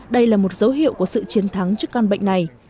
đây là một dấu hiệu của sự chiến thắng trước căn bệnh này